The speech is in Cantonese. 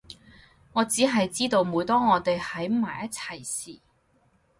我只係知道每當我哋喺埋一齊時